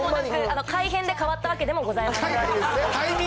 改編でかわったわけでもございません。